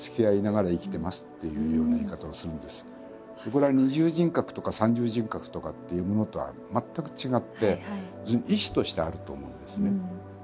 これは二重人格とか三重人格とかっていうものとは全く違って意思としてあると思うんですね。